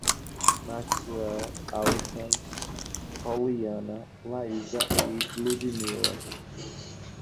Maxuel, Alisson, Poliana, Laísa e Ludimila